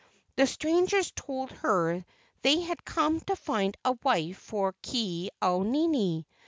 The strangers told her they had come to find a wife for Ke au nini.